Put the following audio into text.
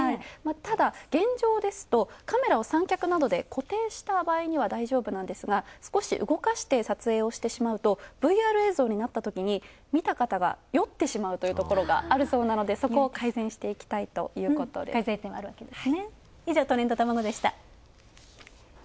ただ、現状カメラを三脚などで固定した場合には大丈夫なんですが、少し動かして撮影をするとＶＲになったときに見た方が酔ってしまうところもあるのでそこは改善していきたいということです。